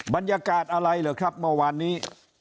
บรรยากาศอะไรเหรอครับเมื่อวานนี้